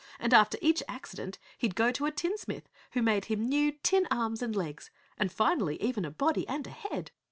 And after each accident he'd go to a tinsmith who made him new tin arms and legs and finally even a body and a head.